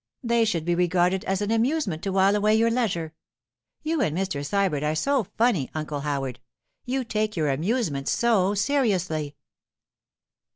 They should be regarded as an amusement to while away your leisure. You and Mr. Sybert are so funny, Uncle Howard; you take your amusements so seriously.